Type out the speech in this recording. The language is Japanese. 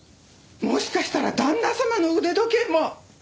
もしかしたら旦那様の腕時計も！